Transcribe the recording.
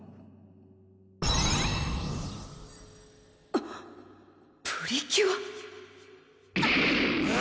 はっプリキュア！